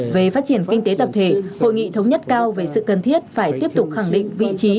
về phát triển kinh tế tập thể hội nghị thống nhất cao về sự cần thiết phải tiếp tục khẳng định vị trí